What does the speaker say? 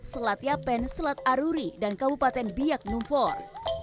selat yapen selat aruri dan kabupaten biak numpor